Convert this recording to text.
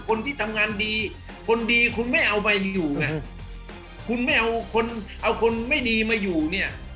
คนที่ทำงานดีคนดีคุณไม่เอาไปอยู่เอาคนไม่ดีมาอยู่เนี่ย